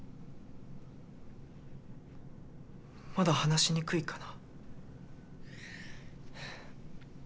まだ話しにくいかな？